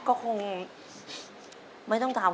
คณะกรรมการเชิญเลยครับพี่อยากให้ก่อนก็ได้จ้ะ